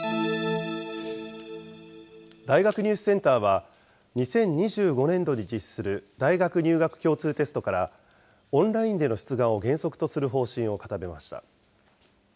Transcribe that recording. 大学入試センターは２０２５年度に実施する大学入学共通テストから、オンラインでの出願を原則とする方針を固めました。